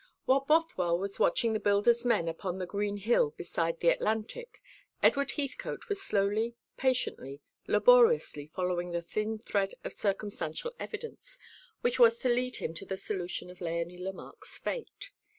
While Bothwell was watching the builder's men upon the green hill beside the Atlantic, Edward Heathcote was slowly, patiently, laboriously following the thin thread of circumstantial evidence which was to lead him to the solution of Léonie Lemarque's fate.